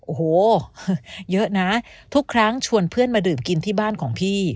โอ้โหเยอะนะทุกครั้งชวนเพื่อนมาดื่มกินที่บ้านของพี่